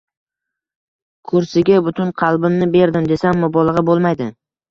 Kursiga butun qalbimni berdim, desam, mubolag`a bo`lmaydi